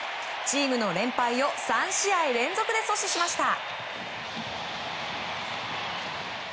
チームの連敗を３試合連続で阻止しました。